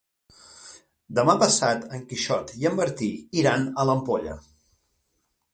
Demà passat en Quixot i en Martí iran a l'Ampolla.